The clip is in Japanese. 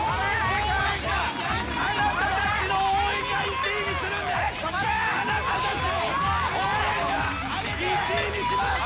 あなたたちの応援が１位にします。